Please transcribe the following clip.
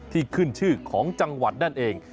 ที่ขึ้นชื่อของจังหวัดนั่นเอง